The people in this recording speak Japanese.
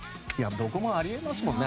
どこもあり得ますもんね。